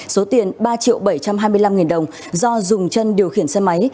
số tiền ba triệu bảy trăm hai mươi năm nghìn đồng do dùng chân điều khiển xe máy